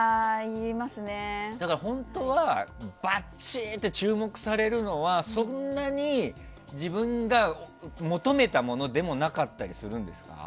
本当は、ばっちんと注目されるのはそんなに自分が求めたものでもなかったりするんですか？